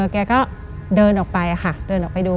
แกก็เดินออกไปค่ะเดินออกไปดู